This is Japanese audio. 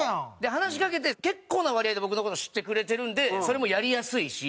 話しかけて結構な割合で僕の事知ってくれてるんでそれもやりやすいし。